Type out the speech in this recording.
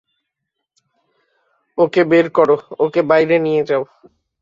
ওকে বের করো, ওকে বাইরে নিয়ে যাও।